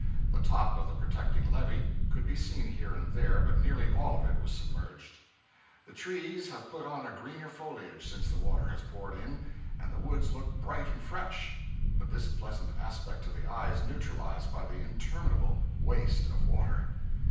The top of the protecting levee could be seen here and there, but nearly all of it was submerged. The trees have put on a greener foliage since the water has poured in, and the woods look bright and fresh, but this pleasant aspect to the eye is neutralized by the interminable waste of water.